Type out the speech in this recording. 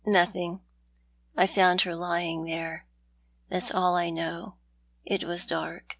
" Nothing. I found her lying there. That's all I know. It was dark.